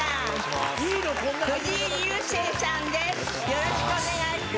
よろしくお願いします。